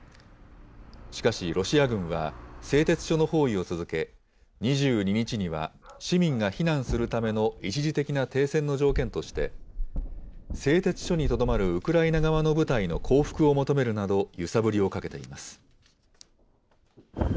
しかしロシア軍は、製鉄所の包囲を続け、２２日には、市民が避難するための一時的な停戦の条件として、製鉄所にとどまるウクライナ側の部隊の降伏を求めるなど、揺さぶりをかけています。